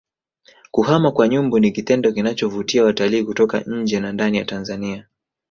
kuhama kwa nyumbu ni kitendo kinachovutia watalii kutoka nje na ndani ya Tanzania